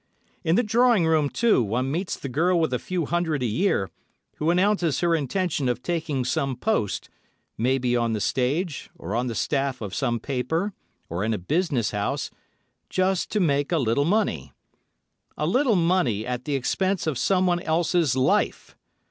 In the drawing room, too, one meets the girl with a few hundred a year, who announces her intention of taking some post—maybe on the stage, or on the staff of some paper, or in a business house, "just to make a little money." A little money at the expense of someone else's life!